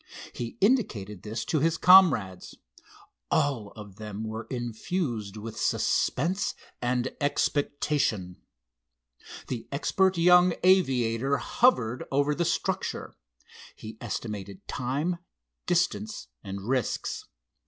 He indicated this to his comrades. All of them were infused with suspense and expectation. The expert young aviator hovered over the structure. He estimated time, distance and risks.